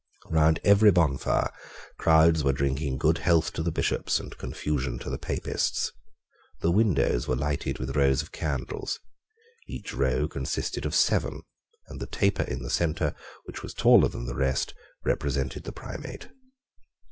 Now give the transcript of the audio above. Round every bonfire crowds were drinking good health to the Bishops and confusion to the Papists. The windows were lighted with rows of candles. Each row consisted of seven; and the taper in the centre, which was taller than the rest, represented the Primate.